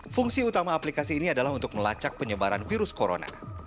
fungsi utama aplikasi ini adalah untuk melacak penyebaran virus corona